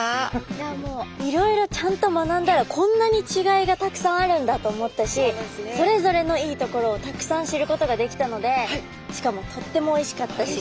いやもういろいろちゃんと学んだらこんなに違いがたくさんあるんだと思ったしそれぞれのいいところをたくさん知ることができたのでしかもとってもおいしかったし。